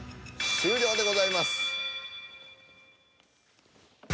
終了でございます。